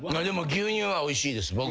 でも牛乳はおいしいです。